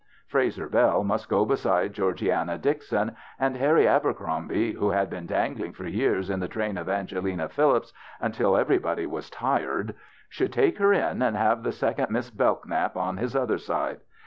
Frazer Bell must go beside Georgiana Dixon, and Harry Aber crombie, who had been dangling for years in the train of Angelina Phillips until everybody was tired, should take her in and have the second Miss Bellknap on his other side.